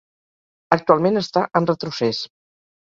Actualment està en retrocés.